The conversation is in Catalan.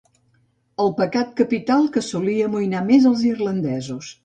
El pecat capital que solia amoïnar més els irlandesos.